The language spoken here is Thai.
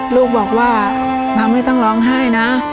ลูกบอกว่าเราไม่ต้องร้องไห้นะ